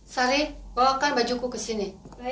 sari bawakan bajuku ke sini